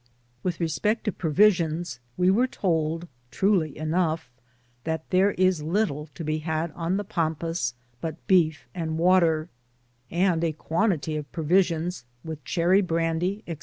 With reppect to provisions, we were told (truly enough) that there is little to be had on the Pampas but beef and water ; and a quantity of provisions, with qh^rry brandy, &c.